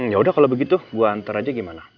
ya udah kalau begitu gue antar aja gimana